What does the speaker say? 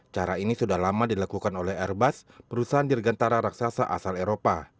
cara ini sudah lama dilakukan oleh airbus perusahaan dirgantara raksasa asal eropa